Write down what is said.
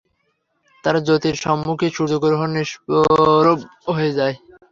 তার জ্যোতির সম্মুখে সূর্য ও চন্দ্র নিষ্প্রভ হয়ে যায়।